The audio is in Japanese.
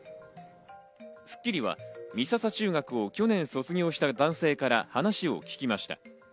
『スッキリ』は美笹中学校を去年卒業した男性から話を聞きました。